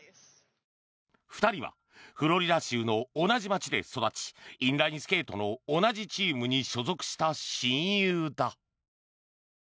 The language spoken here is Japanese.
２人はフロリダ州の同じ街で育ちインラインスケートの同じチームに所属した親友だ。